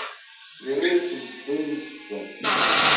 Yerra-asent-d ayen i as-fkant.